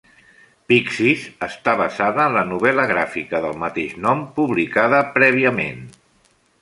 "Pixies" està basada en la novel·la gràfica del mateix nom publicada prèviament.